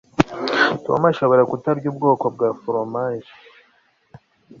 tom ashobora kutarya ubwoko bwa foromaje